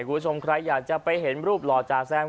คุณผู้ชมใครอยากจะไปเห็นรูปหล่อจ่าแซม